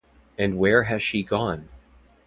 And where has she gone?